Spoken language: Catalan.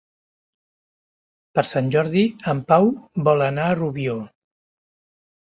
Per Sant Jordi en Pau vol anar a Rubió.